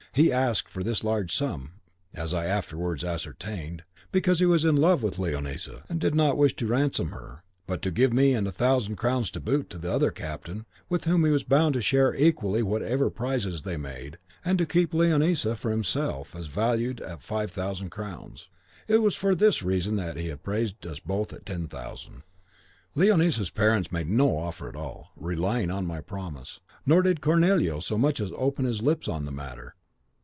He asked this large sum, as I afterwards ascertained, because he was in love with Leonisa, and did not wish to ransom her, but to give me and a thousand crowns to boot to the other captain, with whom he was bound to share equally whatever prizes they made, and to keep Leonisa for himself as valued at five thousand crowns. It was for this reason that he appraised us both at ten thousand. "Leonisa's parents made no offer at all, relying on my promise, nor did Cornelio so much as open his lips on the matter.